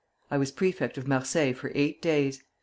I was prefect of Marseilles for eight days.